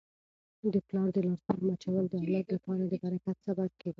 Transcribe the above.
د پلار د لاسونو مچول د اولاد لپاره د برکت سبب کیږي.